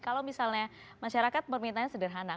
kalau misalnya masyarakat permintaannya sederhana